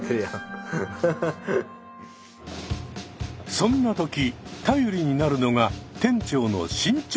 そんな時頼りになるのが店長の進捗チェック。